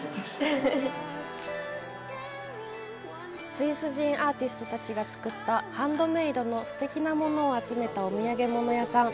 スイス人アーティストたちが作ったハンドメードのすてきなものを集めたお土産物屋さん。